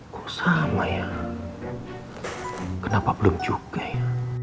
kok sama ya kenapa belum juga ya